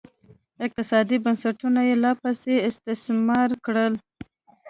اقتصادي بنسټونه یې لاپسې استثماري کړل